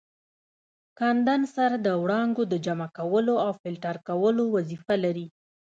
کاندنسر د وړانګو د جمع کولو او فلټر کولو وظیفه لري.